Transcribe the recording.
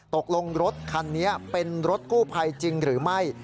ตกลงรถคันนี้เป็นรถกู้ภัยจริงหรือไม่